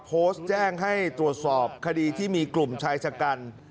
โพสต์แจ้งให้ตรวจสอบคดีที่มีกลุ่มชายชะกัน